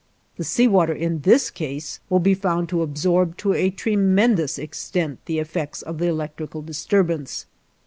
The sea water, in this case, will be found to absorb to a tremendous extent the effects of the electrical disturbance.